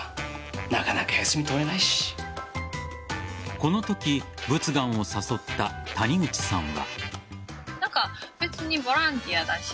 このとき佛願を誘った谷口さんは。